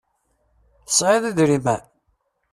Tesεiḍ idrimen?